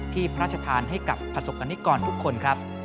พระราชทานให้กับประสบกรณิกรทุกคนครับ